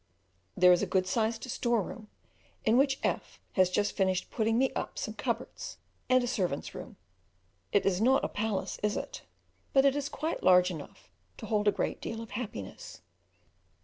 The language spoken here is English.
There is a good sized storeroom, in which F has just finished putting me up some cupboards, and a servants' room. It is not a palace is it? But it is quite large enough to hold a great deal of happiness.